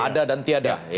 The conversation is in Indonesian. ada dan tiada